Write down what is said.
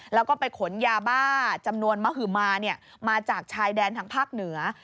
แล้วก็ไปขนยาบ้าจำนวนมหมามาจากชายแดนทางภาคเหนือ